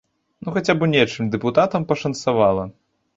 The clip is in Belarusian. Ну хаця б у нечым дэпутатам пашанцавала!